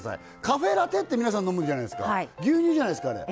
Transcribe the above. カフェラテって皆さん飲むじゃないっすか牛乳じゃないっすかあれ